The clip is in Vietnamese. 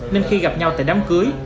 nên khi gặp nhau tại đám cưới